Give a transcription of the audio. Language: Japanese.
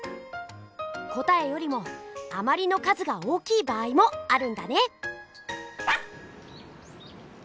答えよりもあまりの数が大きい場合もあるんだね！